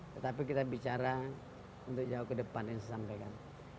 tetapi kita bicara untuk jauh ke depan yang saya sampaikan